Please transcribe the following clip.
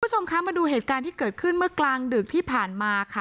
คุณผู้ชมคะมาดูเหตุการณ์ที่เกิดขึ้นเมื่อกลางดึกที่ผ่านมาค่ะ